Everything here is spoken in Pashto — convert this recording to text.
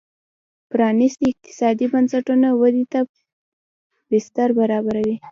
پرانیستي اقتصادي بنسټونه ودې ته بستر برابروي.